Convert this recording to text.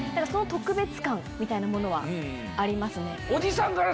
その特別感みたいなものはありますね。